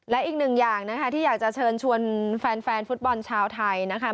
และอีกหนึ่งอย่างนะคะที่อยากจะเชิญชวนแฟนฟุตบอลชาวไทยนะคะ